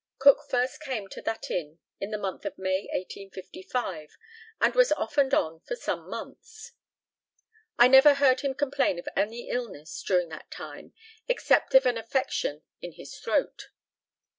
Cook first came to that inn in the month of May, 1855, and was off and on for some months. I never heard him complain of any illness during that time except of an affection in his throat.